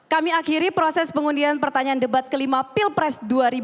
kami akhiri proses pengundian pertanyaan debat kelima pilpres dua ribu dua puluh